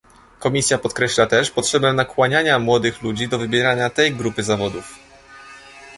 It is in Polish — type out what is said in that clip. Komisja podkreśla też potrzebę nakłaniania młodych ludzi do wybierania tej grupy zawodów